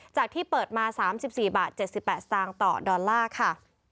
จากที่เปิดมา๓๔๗๘บาทต่อดอลลาร์ค่ะ